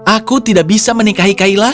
aku tidak bisa menikahi kaila